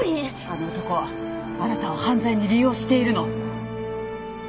あの男はあなたを犯罪に利用しているの！